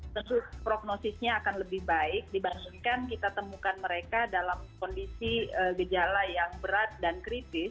tentu prognosisnya akan lebih baik dibandingkan kita temukan mereka dalam kondisi gejala yang berat dan kritis